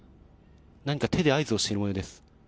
何か手で合図をしている模様です。